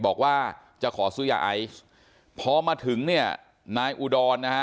บอกว่าจะขอซุยาไอพอมาถึงนายอุดร